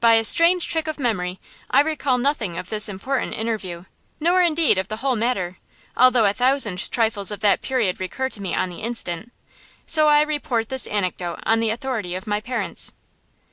By a strange trick of memory I recall nothing of this important interview, nor indeed of the whole matter, although a thousand trifles of that period recur to me on the instant; so I report this anecdote on the authority of my parents.